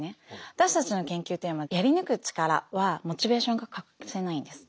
私たちの研究テーマやり抜く力はモチベーションが欠かせないんです。